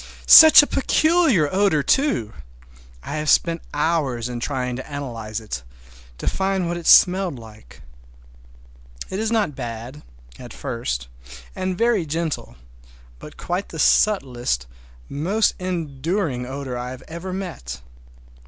Such a peculiar odor, too! I have spent hours in trying to analyze it, to find what it smelled like. It is not bad—at first, and very gentle, but quite the subtlest, most enduring odor I ever met.